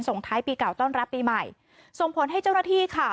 ส่งท้ายปีเก่าต้อนรับปีใหม่ส่งผลให้เจ้าหน้าที่ค่ะ